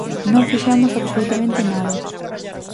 Non fixemos absolutamente nada.